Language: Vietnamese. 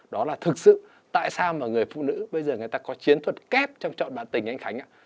đó là thực sự tại sao mà người phụ nữ bây giờ người ta có chiến thuật kép trong chọn bản tình anh khánh ạ